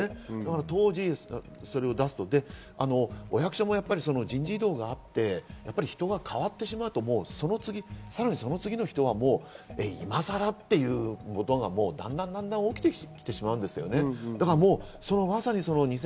当時それを出すとお役所も人事異動があって人が変わってしまうと、その次、さらにその次の人が今さら？っていうことがだんだん起きてきてしまうんですね。